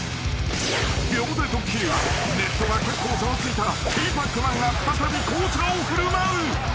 ［秒でドッキリはネットが結構ざわついたティーパックマンが再び紅茶を振る舞う］